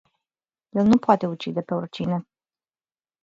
El nu poate ucide pe oricine.